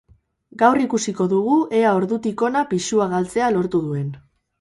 Gaur ikusiko dugu ea ordutik hona pisua galtzea lortu duen.